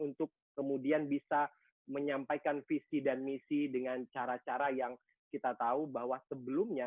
untuk kemudian bisa menyampaikan visi dan misi dengan cara cara yang kita tahu bahwa sebelumnya